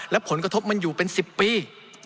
และผลกระทบมันอยู่เป็น๑๐ปี